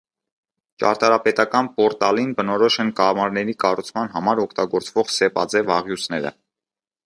Ճարտարապետական պորտալին բնորոշ են կամարների կառուցման համար օգտագործվող սեպաձև աղյուսները։